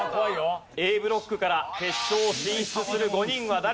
Ａブロックから決勝進出する５人は誰になるのか？